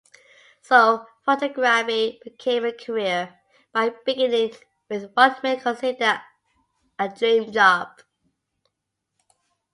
So photography became a career by beginning with what many consider a dream job.